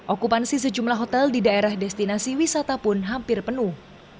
okupansi sejumlah hotel di daerah destinasi wisata pun hampir penuh